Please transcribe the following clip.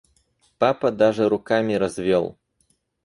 Папа даже руками развел.